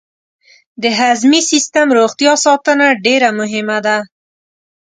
د هضمي سیستم روغتیا ساتنه ډېره مهمه ده.